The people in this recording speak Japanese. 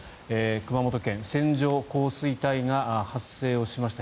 熊本県、線状降水帯が発生をしました。